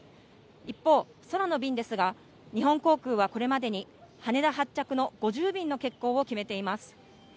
一方、空の便ですが、日本航空はこれまでに、羽田発着の５０便の欠航を決めています。